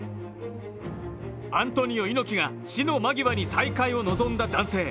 アントニオ猪木が死の間際に再会を望んだ男性。